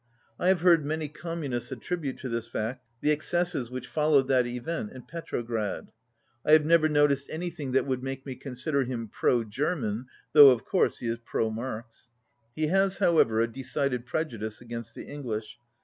I have heard many Com munists attribute to this fact the excesses which followed that event in Petrograd. I have never noticed anything that would make me consider him pro German, though of course he is pro Marx. He has, however, a decided prejudice against the English.